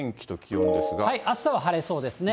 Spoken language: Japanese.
あしたは晴れそうですね。